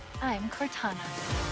aku adalah cortana